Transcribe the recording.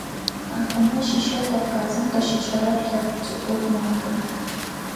Ахэмэ ащыщэу Кавказым къыщыкӏырэр лъэпкъ пшӏыкӏуз мэхъу.